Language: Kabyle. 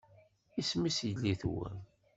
Isem-is yelli-twen?